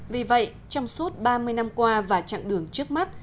vì vậy trong suốt ba mươi năm qua và chặng đường trước mắt